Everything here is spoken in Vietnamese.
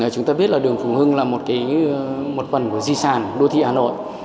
chúng ta biết là đường phùng hưng là một phần của di sản đô thị hà nội